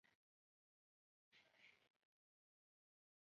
上阿莱格雷多平达雷是巴西马拉尼昂州的一个市镇。